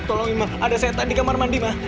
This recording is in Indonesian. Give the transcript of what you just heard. gak mungkin ada setan di kamar mandi ma